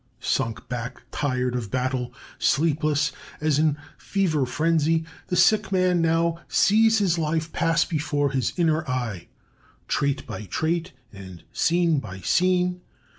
"Sunk back tired of battle, sleepless, as in fever frenzy the sick man now sees his life pass before his inner eye, trait by trait and scene by scene.